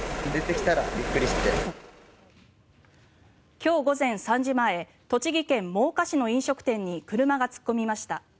今日午前３時前栃木県真岡市の飲食店に車が突っ込みました。